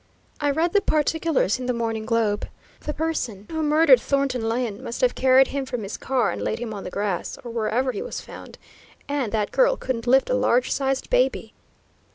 I read the particulars in the Morning Globe. The person who murdered Thornton Lyne must have carried him from his car and laid him on the grass, or wherever he was found and that girl couldn't lift a large sized baby."